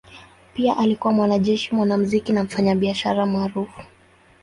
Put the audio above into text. Pia alikuwa mwanajeshi, mwanamuziki na mfanyabiashara maarufu.